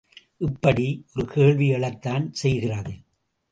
இப்படி, ஒரு கேள்வி எழத்தான் செய்கிறது.